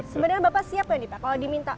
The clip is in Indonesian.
sebenarnya bapak siap gak nih pak kalau diminta